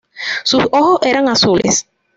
Sus ojos eran azules.